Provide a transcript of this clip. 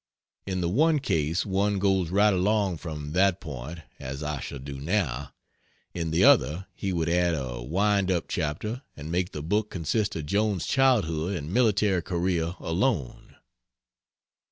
In the one case one goes right along from that point (as I shall do now); in the other he would add a wind up chapter and make the book consist of Joan's childhood and military career alone.